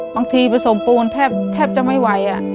บางทีผสมปูนแทบจะไม่ไหว